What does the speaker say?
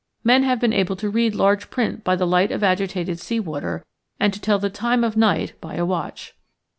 Men have been able to read large print by the light of agitated sea water and to tell the time of night by a watch.